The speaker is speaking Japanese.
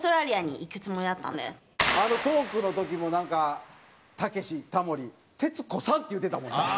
あのトークの時もなんか「たけしタモリ徹子さん」って言うてたもんなそこだけ。